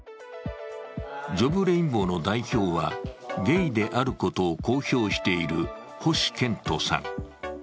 ＪｏｂＲａｉｎｂｏｗの代表はゲイであることを公表している星賢人さん。